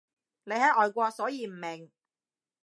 你喺外國所以唔明